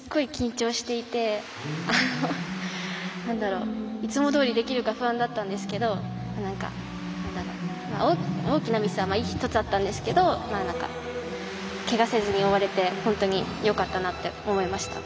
私フリーの日すごく緊張していていつもどおりできるか不安だったんですけど大きなミスは１つあったんですけどけがせずに終われて本当によかったなと思いました。